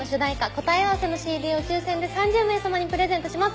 『こたえあわせ』のＣＤを抽選で３０名様にプレゼントします